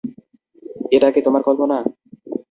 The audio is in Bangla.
এটা কি তোমার কল্পনা?